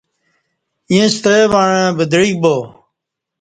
ییں ستہ وعݩہ ودعیک با